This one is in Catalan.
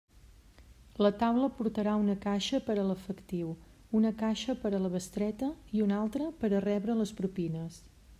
La taula portarà una caixa per a l'efectiu, una caixa per a la bestreta i una altra per a rebre les propines.